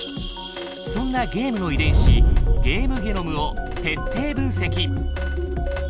そんなゲームの遺伝子ゲームゲノムを徹底分析。